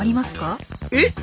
えっ？